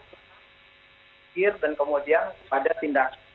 pikir dan kemudian pada tindakan